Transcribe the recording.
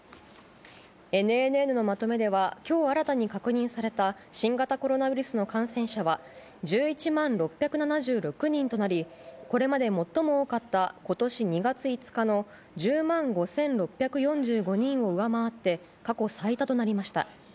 ＮＮＮのまとめでは、きょう新たに確認された新型コロナウイルスの感染者は１１万６７６人となり、これまで最も多かったことし２月５日の１０万５６４５人を上回って、過去最多となりました。